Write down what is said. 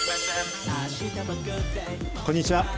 こんにちは。